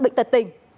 bệnh tật tình